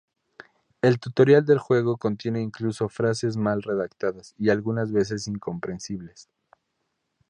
El tutorial del juego contiene incluso frases mal redactadas y algunas veces incomprensibles.